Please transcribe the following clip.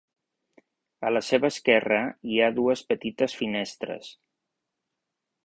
A la seva esquerra hi ha dues petites finestres.